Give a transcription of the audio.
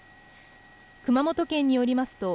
熊本県によりますと、